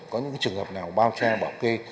có những trường hợp nào bao tra bảo kê